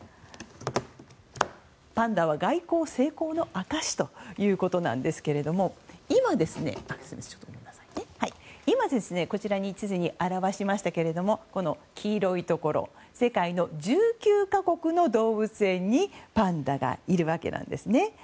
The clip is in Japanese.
パンダは外交成功の証しということなんですけど地図に表している黄色いところ世界の１９か国の動物園にパンダがいるわけなんですね。